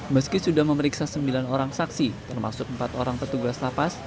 meski sudah memeriksa sembilan orang saksi termasuk empat orang petugas lapas